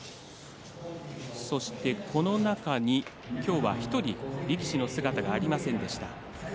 そして、この中に今日は１人力士の姿がありませんでした。